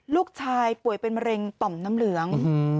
ลูกชายป่วยเป็นมะเร็งต่อมน้ำเหลือง